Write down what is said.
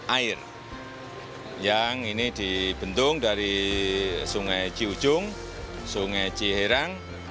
air yang ini dibentuk dari sungai ciujung sungai ciherang